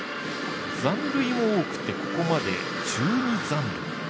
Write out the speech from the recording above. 残塁も多くて、ここまで１２残塁。